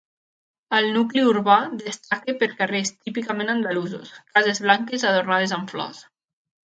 El nucli urbà destaca per carrers típicament andalusos, cases blanques adornades amb flors.